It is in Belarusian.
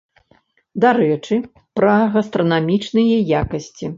Дарэчы, пра гастранамічныя якасці.